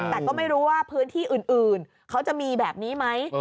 แต่ก็ไม่รู้ว่าพื้นที่อื่นเขาจะมีแบบนี้ไหม